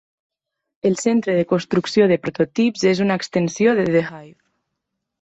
El centre de construcció de prototips és una extensió de The Hive.